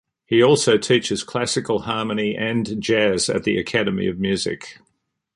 He also teaches classical harmony and jazz at the academy of music.